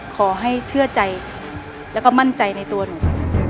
ขอให้เชื่อใจแล้วก็มั่นใจในตัวหนู